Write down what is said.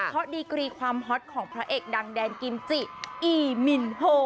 เพราะดีกรีความฮอตของพระเอกดังแดนกิมจิอีมินโฮ